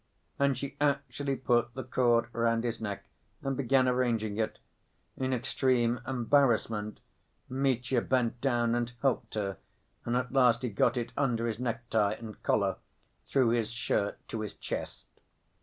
And she actually put the cord round his neck, and began arranging it. In extreme embarrassment, Mitya bent down and helped her, and at last he got it under his neck‐tie and collar through his shirt to his chest.